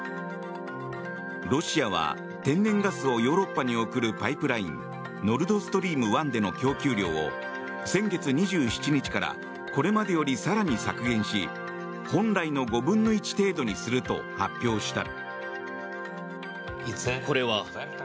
ロシアは天然ガスをヨーロッパに送るパイプラインノルド・ストリーム１での供給量を先月２７日からこれまでより更に削減し本来の５分の１程度にすると発表した。